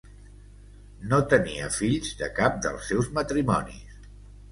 No tenia fills de cap dels seus matrimonis.